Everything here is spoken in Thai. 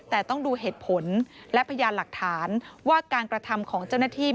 แต่ต้องดูเหตุผลและพยานหลักฐานว่าการกระทำของเจ้าหน้าที่